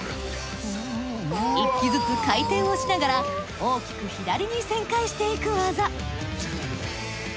１機ずつ回転をしながら大きく左に旋回していく技。